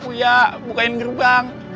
uya bukain gerbang